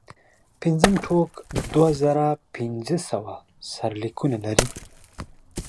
پنځم ټوک دوه زره پنځه سوه سرلیکونه لري.